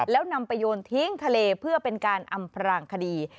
แล้วนำไปโยนทิ้งทะเลเพื่อเป็นการอำพรางคดี